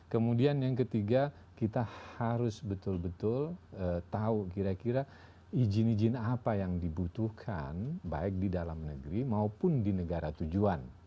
kemudian yang ketiga kita harus betul betul tahu kira kira izin izin apa yang dibutuhkan baik di dalam negeri maupun di negara tujuan